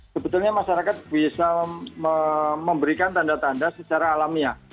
sebetulnya masyarakat bisa memberikan tanda tanda secara alamiah